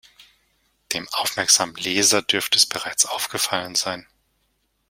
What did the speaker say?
Dem aufmerksamen Leser dürfte das bereits aufgefallen sein.